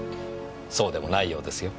そうでもないようですよ。